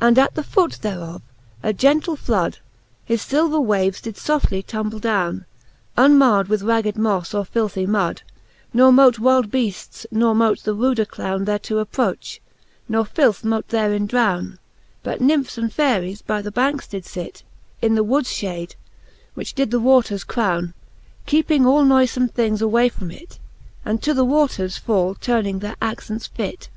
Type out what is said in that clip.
VII. And at the foote thereof a gentle flud His (liver waves did fbftly tumble downe, Unmard with ragged moffe, or filthy mud, Ne mote wylde beaftes, ne mote the ruder clowne Thereto approch, ne filth mote therein drowne : But Nymphes and Faeries by the bancks did fit, In the woods fiiade, which did the waters crowne, Keeping all noyfome things away from it, And to the waters fall tuning their accents fit.